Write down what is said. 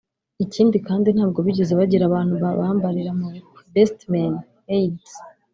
Ikindi kandi ntabwo bigeze bagira abantu babambarira ku bukwe (best men/maids)